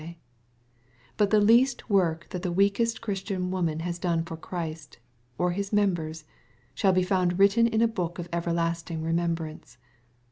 y feut the least work that the weakest Christian woman has done for Christ, or His members, shall be found written in a book of everlasting remembrance.